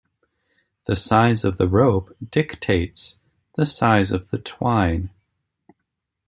The size of the rope dictates the size of the twine.